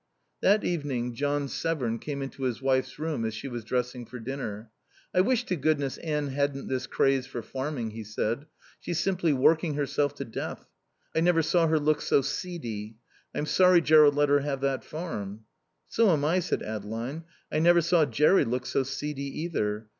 That evening John Severn came into his wife's room as she was dressing for dinner. "I wish to goodness Anne hadn't this craze for farming," he said. "She's simply working herself to death. I never saw her look so seedy. I'm sorry Jerrold let her have that farm." "So am I," said Adeline. "I never saw Jerry look so seedy, either.